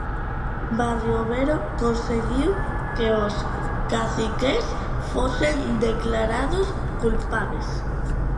Barriobero conseguiu que os caciques fosen declarados culpables.